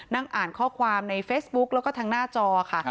นั่งอ่านข้อความในเฟซบุ๊กแล้วก็ทางหน้าจอค่ะ